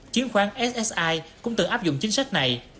chiến khoán ssi cũng từng áp dụng chính sách này